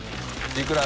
いくら？